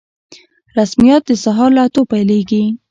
رسميات د سهار له اتو پیلیږي